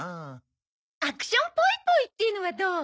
「アクションポイポイ」っていうのはどう？